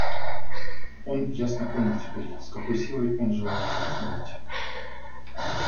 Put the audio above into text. Он ясно понял теперь, с какой силой он желал ее смерти.